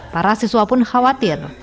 para siswa pun khawatir